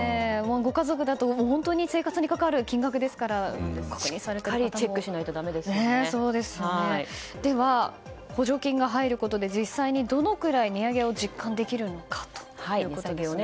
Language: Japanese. ご家族だと生活に関わる金額ですからしっかりチェックしないとでは、補助金が入ることで実際にどのくらい値上げを実感できるのかということですが。